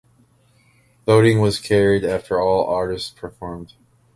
Voting was carried after all artists performed.